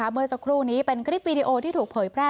เมื่อสักครู่นี้เป็นคลิปวีดีโอที่ถูกเผยแพร่